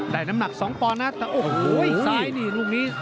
ได้น้ำหนักสองปอนนะ